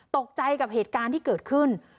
ตกใจกับเหตุการณ์ที่เกิดขึ้น